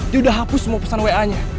dia udah hapus semua pesan wa nya